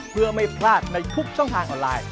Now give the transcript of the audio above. เพื่อไม่พลาดในทุกช่องทางออนไลน์